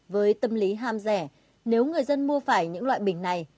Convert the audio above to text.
với tâm lý ham rẻ nếu người dân mua phải những loại bình này